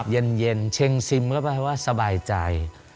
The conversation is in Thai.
เย็นเช็งซิมก็แปลว่าสบายใจ